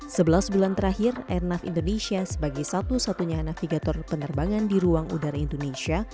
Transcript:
sebelas bulan terakhir airnav indonesia sebagai satu satunya navigator penerbangan di ruang udara indonesia